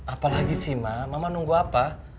apalagi sih ma mama nunggu apa